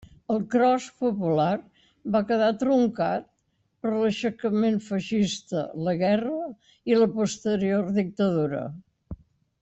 El Cros Popular va quedar truncat per l'aixecament feixista, la guerra i la posterior dictadura.